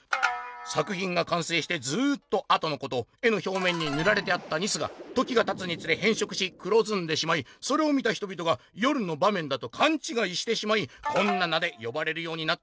「作ひんがかんせいしてずっとあとのこと絵のひょうめんにぬられてあったニスが時がたつにつれへん色し黒ずんでしまいそれを見た人びとが夜の場面だと勘違いしてしまいこんな名で呼ばれるようになったんだそうな」。